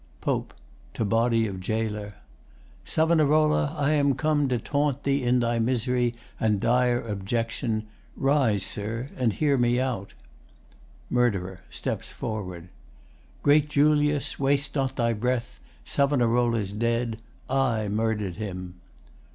] POPE [To body of GAOLER.] Savonarola, I am come to taunt Thee in thy misery and dire abjection. Rise, Sir, and hear me out. MURD. [Steps forward.] Great Julius, Waste not thy breath. Savonarola's dead. I murder'd him.